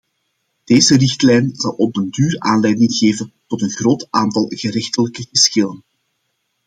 Deze richtlijn zal op den duur aanleiding geven tot een groot aantal gerechtelijke geschillen.